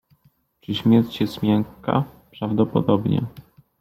Czy śmierć jest miękka? Prawdopodobnie.